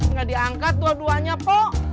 nggak diangkat dua duanya pak